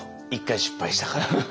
１回失敗したから。